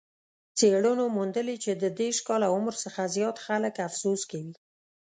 څېړنو موندلې چې د دېرش کاله عمر څخه زیات خلک افسوس کوي.